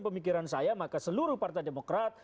pemikiran saya maka seluruh partai demokrat